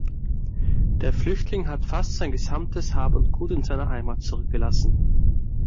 Der Flüchtling hat fast sein gesamtes Hab und Gut in seiner Heimat zurückgelassen.